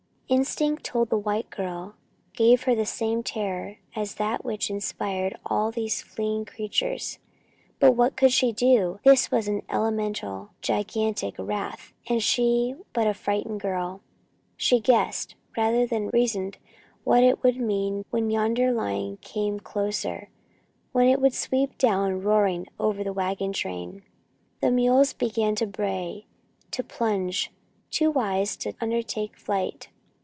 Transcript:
Instinct told the white girl, gave her the same terror as that which inspired all these fleeing creatures. But what could she do? This was an elemental, gigantic wrath, and she but a frightened girl. She guessed rather than reasoned what it would mean when yonder line came closer, when it would sweep down, roaring, over the wagon train. The mules began to bray, to plunge, too wise to undertake flight.